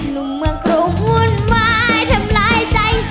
ลุงเมืองกรุงหุ่นไม้ทำลายใจ